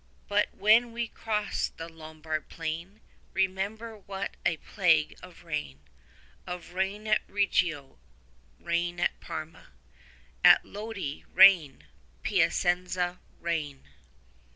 But when we crost the Lombard plain Remember what a plague of rain; 50 Of rain at Reggio, rain at Parma; At Lodi, rain, Piacenza, rain.